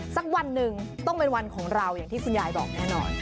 สักวันหนึ่งต้องเป็นวันของเราอย่างที่คุณยายบอกแน่นอน